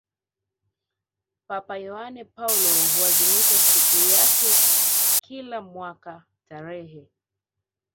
papa yohane paulo huazimisha sikukuu yake kila mwaka tarehe